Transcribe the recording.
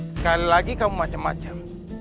sekali lagi kamu macam macam